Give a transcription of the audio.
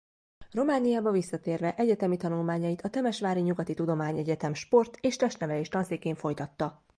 Romániába visszatérve egyetemi tanulmányait a Temesvári Nyugati Tudományegyetem Sport és testnevelés tanszékén folytatta.